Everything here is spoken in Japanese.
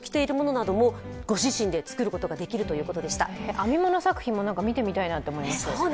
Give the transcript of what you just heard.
編み物作品も見てみたいなって思いました。